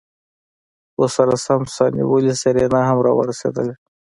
ورسرہ سم سا نيولې سېرېنا هم راورسېدله.